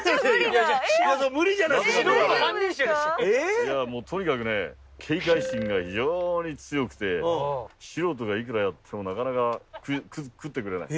いやもうとにかくね警戒心が非常に強くて素人がいくらやってもなかなか食ってくれない。